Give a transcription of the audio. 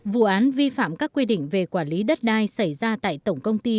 vụ án vi phạm các quy định về quản lý đất đai xảy ra tại tổng công ty